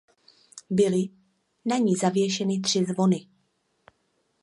Byly na ni zavěšeny tři zvony.